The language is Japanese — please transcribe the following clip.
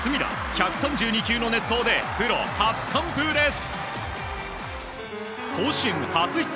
１３２球の熱投でプロ初完封です。